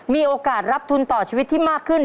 มีโอกาสรับทุนต่อชีวิตที่มากขึ้น